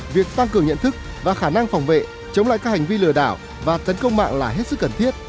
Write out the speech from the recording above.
việc tăng cường nhận thức và khả năng phòng vệ chống lại các hành vi lừa đảo và tấn công mạng là hết sức cần thiết